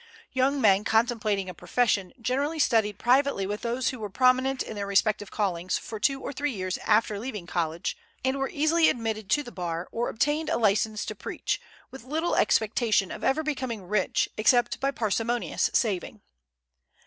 Young men contemplating a profession generally studied privately with those who were prominent in their respective callings for two or three years after leaving college, and were easily admitted to the bar, or obtained a license to preach, with little expectation of ever becoming rich except by parsimonious saving.